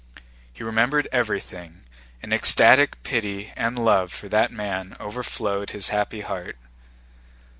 He remembered everything, and ecstatic pity and love for that man overflowed his happy heart.